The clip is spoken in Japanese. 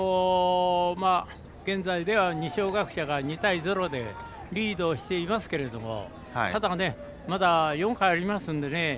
現在では、二松学舍が２対０でリードをしていますけれどもただ、まだ４回ありますのでね。